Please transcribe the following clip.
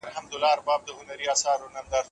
کور خراب ښار یې تباه دی جهان پړ دی